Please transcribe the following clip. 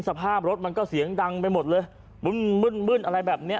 สภาพรถมันก็เสียงดังไปหมดเลยมึ่นอะไรแบบนี้